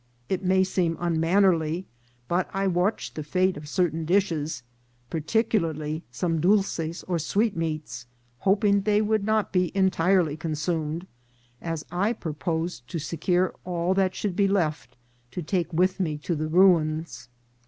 It may seem unmannerly, but I watched the fate of certain dishes, particularly some dolces or sweetmeats, hoping they would not be entirely consumed, as I purposed to se cure all that should be left to take with me to the ruins.